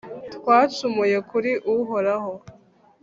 twacumuye kuri uhoraho